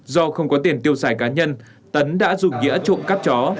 do không có tiền tiêu xài cá nhân tấn đã dùng nghĩa trộm cắp chó